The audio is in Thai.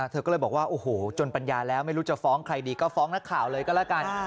เธอก็เลยบอกว่าโอ้โหจนปัญญาแล้วไม่รู้จะฟ้องใครดีก็ฟ้องนักข่าวเลยก็แล้วกัน